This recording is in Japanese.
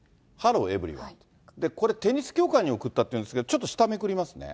これ、テニス協会に送ったっていうんですけど、ちょっと下、めくりますね。